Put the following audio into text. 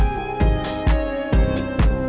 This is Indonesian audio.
abang saya sudah berjalan